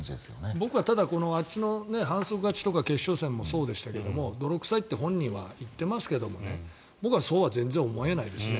僕はあっちの反則勝ちとか決勝とかもそうですけど泥臭いって本人は言ってますけど僕はそうは全然思えないですね。